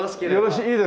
いいですか？